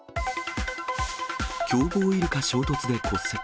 凶暴イルカ衝突で骨折。